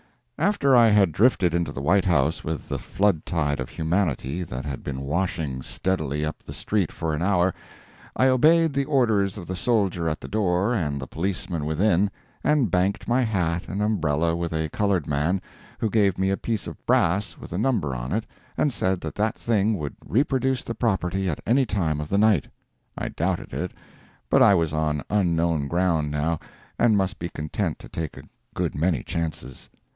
After I had drifted into the White House with the flood tide of humanity that had been washing steadily up the street for an hour, I obeyed the orders of the soldier at the door and the policeman within, and banked my hat and umbrella with a colored man, who gave me a piece of brass with a number on it and said that that thing would reproduce the property at any time of the night. I doubted it, but I was on unknown ground now, and must be content to take a good many chances.